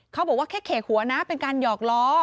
เขาบอกว่าแค่เขกหัวนะเป็นการหยอกล้อ